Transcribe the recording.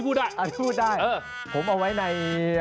ผมเอาไว้ใน